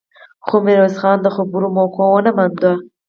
خو ميرويس خان د خبرو موقع ونه مونده.